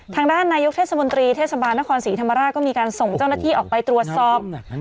ทางด้านนายกเทศมนตรีเทศบาลนครศรีธรรมราชก็มีการส่งเจ้าหน้าที่ออกไปตรวจสอบ